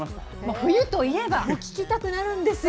冬といえば聴きたくなるんですよ。